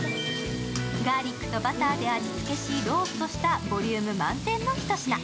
ガーリックとバターで味つけしローストしたボリューム満点なひと品。